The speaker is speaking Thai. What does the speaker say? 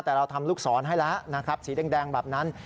แต่เราทำลูกศรให้แล้วนะครับสีแดงแบบนั้น